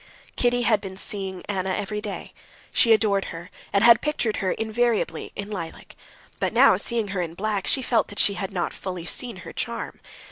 Kitty had been seeing Anna every day; she adored her, and had pictured her invariably in lilac. But now seeing her in black, she felt that she had not fully seen her charm.